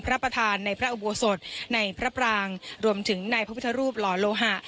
พระประธานในพระอุโบสถในพระปรางรวมถึงในพระพุทธรูปหล่อโลหะ